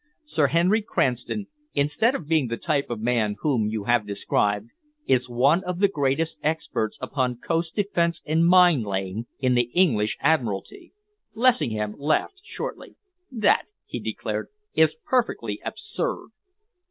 Sir Henry Cranston, instead of being the type of man whom you have described, is one of the greatest experts upon coast defense and mine laying, in the English Admiralty." Lessingham laughed shortly. "That," he declared, "is perfectly absurd."